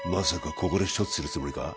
ここで処置するつもりか？